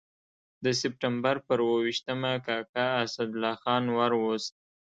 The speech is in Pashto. د سپټمبر پر اووه ویشتمه کاکا اسدالله خان ور ووست.